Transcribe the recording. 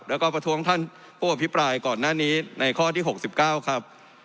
แล้วก็ประท้วงท่านผู้อภิปรายก่อนหน้านี้ในข้อที่๖๙ครับ